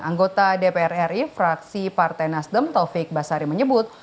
anggota dpr ri fraksi partai nasdem taufik basari menyebut